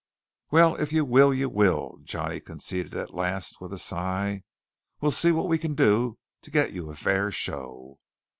"Well, if you will, you will," Johnny conceded at last, with a sigh. "We'll see what we can do to get you a fair show."